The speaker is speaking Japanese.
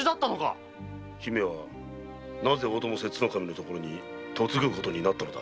姫はなぜ大友摂津守のところに嫁ぐことになったのだ？